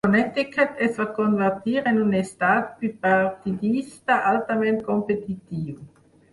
Connecticut es va convertir en un estat bipartidista altament competitiu.